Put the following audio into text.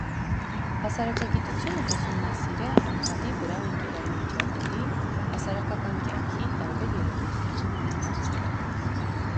Հասարակագիտութիւնը կ՛ուսումնասիրէ անհատի վրայ ընկերային միջավայրի, հասարակական կեանքի տարբեր երեւոյթներու հիմնահարցերը։